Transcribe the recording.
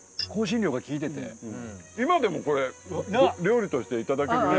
今でもこれ料理として頂けるね。